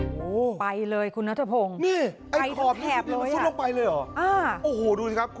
โอ้โหไปเลยคุณนัทพงศ์นี่ไอหอบแหบเลยซุดลงไปเลยเหรออ่าโอ้โหดูสิครับ